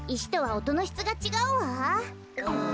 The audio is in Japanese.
うん。